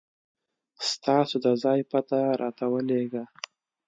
ستاسو د ځای پته راته ولېږه